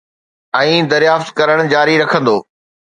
۽ دريافت ڪرڻ جاري رکندو